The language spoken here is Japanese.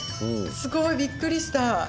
すごいびっくりした。